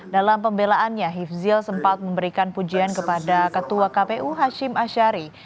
dalam pembelaannya hifzil sempat memberikan pujian kepada ketua kpu hashim ashari